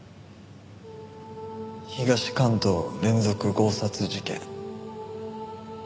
東関東連続強殺事件。